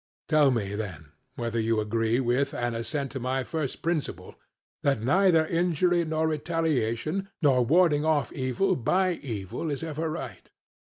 Tell me, then, whether you agree with and assent to my first principle, that neither injury nor retaliation nor warding off evil by evil is ever right.